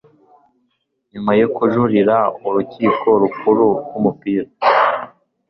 nyuma yo kujurira murukiko rukuru rw'umupira